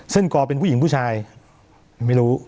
กอเป็นผู้หญิงผู้ชายไม่รู้